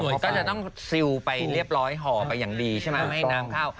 ส่วนก็จะต้องซิลไปเรียบร้อยห่อไปอย่างดีใช่ไหมไม่ให้น้ำเข้า